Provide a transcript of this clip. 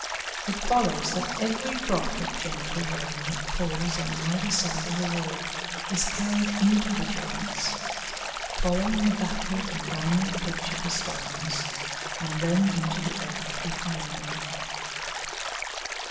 It follows that every drop of gentle rain that falls on either side of the wall is carried into the joints, following the backward and downward pitch of the stones, and then into the earth behind them.